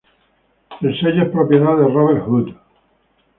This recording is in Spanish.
El sello es propiedad de Robert Hood.